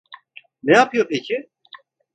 Ne yapıyor peki?